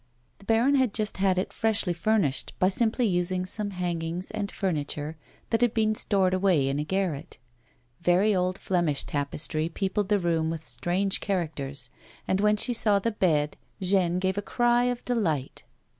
The baron had just had it freshly furnished by simply using some hangings and furni ture that had been stored away in a garret. Very old Flemish tapestry peopled the room with strange characters, and when she saw the bed Jeanne gave a cry of delight.